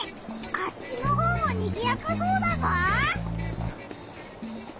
あっちのほうもにぎやかそうだぞ！